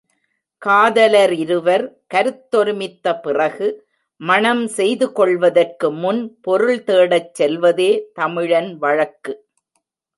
காதலரிருவர் கருத்தொருமித்த பிறகு மணம் செய்து கொள்வதற்கு முன் பொருள்தேடச் செல்வதே தமிழன் வழக்கு.